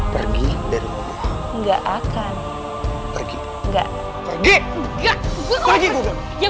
pergi dari rumah gue